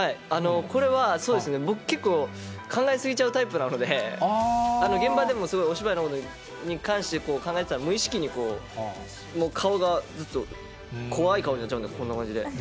これはそうですね、僕結構、考え過ぎちゃうタイプなので、現場でもすごいお芝居のことに関して考えてたら、無意識に顔がずっと怖い顔になっちゃうんです。